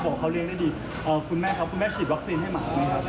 บอกเขาเลี้ยงได้ดีคุณแม่ครับคุณแม่ฉีดวัคซีนให้หมาไหมครับ